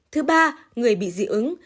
thứ ba người bị dị ứng